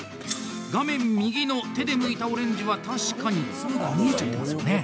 画面右の手でむいたオレンジは確かに粒が見えちゃってますよね。